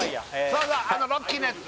そうあの「ロッキー」のやつ